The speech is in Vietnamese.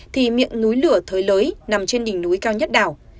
thì miệng núi lửa thới nằm trên đỉnh núi cao nhất đảo